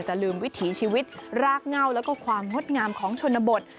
ลืมวิถีชีวิตรากเง่าแล้วก็ความงดงามของชนบท